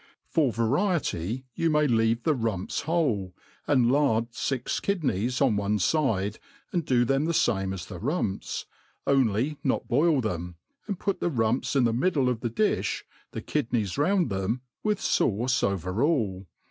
For variety you may leave the rumps whole, and lard fix kidneys on one fide, ind do them the fame as the rumps j only not boil them, and put the rump^ in the middle of the diihj and kidneys round them, with faUce bvef all.